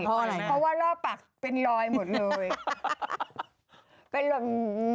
เพราะว่ารอบปากเป็นรอยหมดเลย